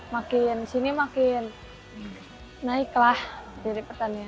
makin sini makin naik lah jadi pertandingan